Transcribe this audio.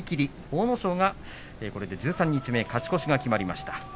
阿武咲はこれで十三日目に勝ち越しが決まりました。